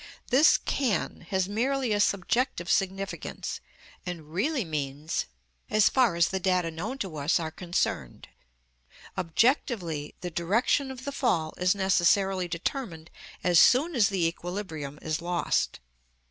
This can has merely a subjective significance, and really means "as far as the data known to us are concerned." Objectively, the direction of the fall is necessarily determined as soon as the equilibrium is lost.